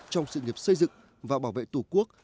trong sự nghiệp xây dựng và bảo vệ tổ quốc